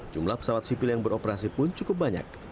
jumlah pesawat sipil yang beroperasi pun cukup banyak